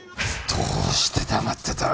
どうして黙ってた？